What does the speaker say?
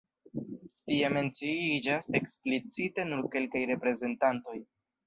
Tie menciiĝas eksplicite nur kelkaj reprezentantoj.